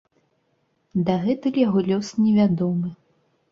Дагэтуль яго лёс невядомы.